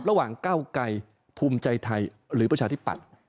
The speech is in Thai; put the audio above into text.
ระหว่างเก้าไกรภูมิใจไทยหรือประชาธิปัตย์